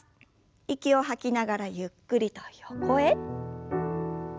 息を吐きながらゆっくりと横へ。